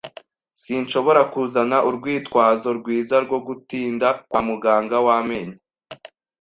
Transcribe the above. Sinshobora kuzana urwitwazo rwiza rwo gutinda kwa muganga w amenyo.